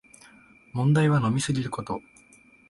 問題は飲みすぎること